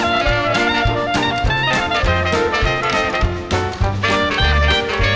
โปรดติดตามต่อไป